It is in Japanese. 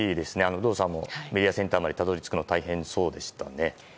有働さんもメディアセンターまでたどり着くのが大変そうでしたね。